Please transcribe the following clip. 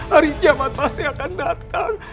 hari kiamat pasti akan datang